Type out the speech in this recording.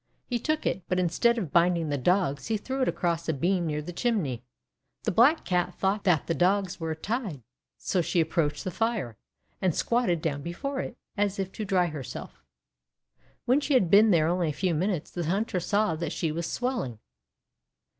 He took it, but instead of binding the Dogs, he threw it across a beam near the chimney. The Black Cat thought that the Dogs were tied, so she approached the fire, and squatted down before it, as if to dry herself. When she had been there only a few minutes, the hunter saw that she was swelling.